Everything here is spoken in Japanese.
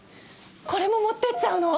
これも持ってっちゃうの？